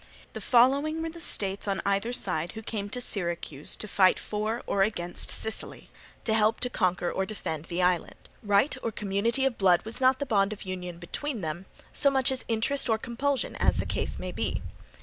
The following were the states on either side who came to Syracuse to fight for or against Sicily, to help to conquer or defend the island. Right or community of blood was not the bond of union between them, so much as interest or compulsion as the case might be.